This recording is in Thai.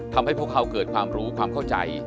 ทำให้พวกเขาเกิดความรู้ความเข้าใจ